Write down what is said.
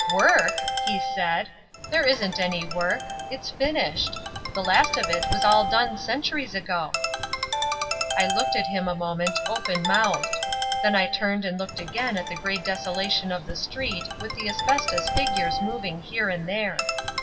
"Work!" he said. "There isn't any work. It's finished. The last of it was all done centuries ago." I looked at him a moment open mouthed. Then I turned and looked again at the grey desolation of the street with the asbestos figures moving here and there.